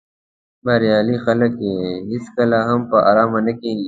بریالي خلک هېڅکله هم په آرامه نه کیني.